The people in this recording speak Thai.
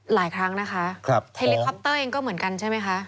หลายครั้งนะคะเฮลิคอปเตอร์เองก็เหมือนกันใช่ไหมคะ